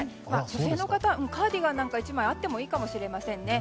女性の方はカーディガンなんか、１枚あってもいいかもしれませんね。